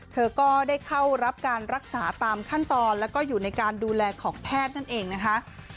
เธอก็ได้เข้ารับการรักษาตามขั้นตอนแล้วก็อยู่ในการดูแลของแพทย์นั่นเองนะคะ